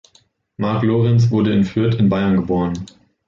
Mark Lorenz, wurde in Fürth in Bayern geboren.